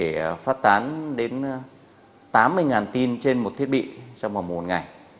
có thể phát tán đến tám mươi tin trên một thiết bị trong một mùa ngày